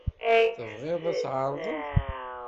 Tebɣid ad tɛerḍed?